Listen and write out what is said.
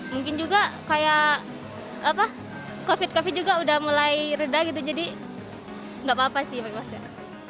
mungkin juga kayak covid covid juga udah mulai reda gitu jadi nggak apa apa sih pakai masker